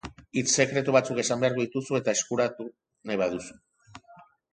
Hitz sekretu batzuk esan beharko dituzu eta eskuratu nahi baduzu.